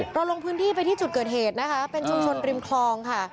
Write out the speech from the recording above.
ลงพื้นที่ไปที่จุดเกิดเหตุนะคะเป็นชุมชนริมคลองค่ะ